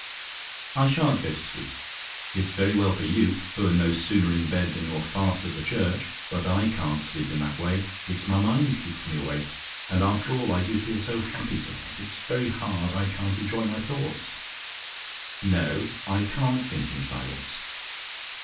"I sha'n't go to sleep. It's very well for you, who're no sooner in bed than you're fast as a church; but I can't sleep in that way. It's my mind keeps me awake. And after all, I do feel so happy to night, it's very hard I can't enjoy my thoughts. "NO: I CAN'T THINK IN SILENCE!